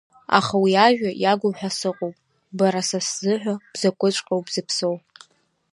Аха уи ажәа иагуп ҳәа сыҟоуп, бара са сзыҳәа бзакәыҵәҟьоу, бзыԥсоу.